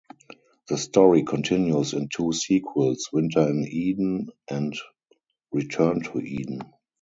The story continues in two sequels, "Winter in Eden" and "Return to Eden".